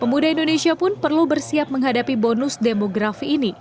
pemuda indonesia pun perlu bersiap menghadapi bonus demografi ini